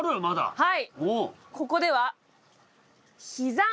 はい。